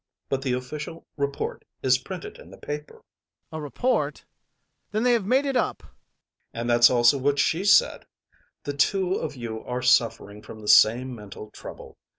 But the official report is printed in the paper. MAURICE. A report? Then they have made it up! ADOLPHE. And that's also what she said. The two of you are suffering from the same mental trouble.